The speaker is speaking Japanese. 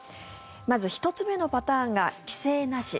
まず、１つ目のパターンが規制なし。